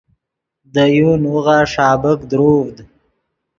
دے یو نوغہ ݰابیک دروڤد